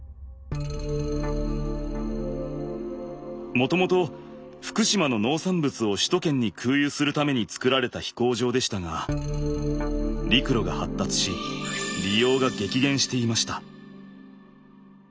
もともと福島の農産物を首都圏に空輸するために造られた飛行場でしたが陸路が発達し利用が激減していました。